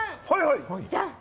じゃん！